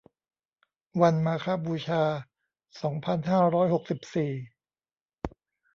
วันมาฆบูชา สองพันห้าร้อยหกสิบสี่